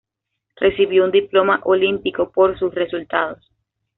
Recibió un diploma olímpico por sus resultados.